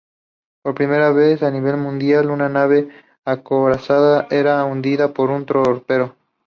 Por primera vez a nivel mundial, una nave acorazada era hundida por un torpedo.